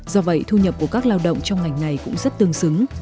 do vậy thu nhập của các lao động trong ngành này cũng rất tương xứng